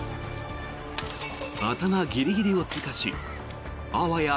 頭ギリギリを通過しあわや